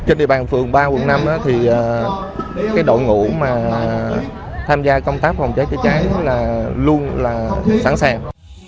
trên địa bàn phường ba quận năm thì cái đội ngũ mà tham gia công tác phòng cháy chữa cháy là luôn là sẵn sàng